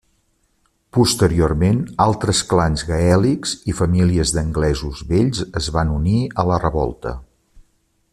Posteriorment, altres clans gaèlics i famílies d'anglesos vells es van unir a la revolta.